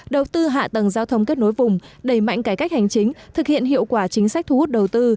đầu tư hạ tầng giao thông kết nối vùng đầy mạnh cải cách hành chính thực hiện hiệu quả chính sách thu hút đầu tư